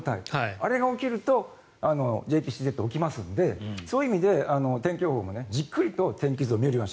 あれが起きるとＪＰＣＺ起きますのでそういう意味で天気予報もじっくりと天気図を見るように。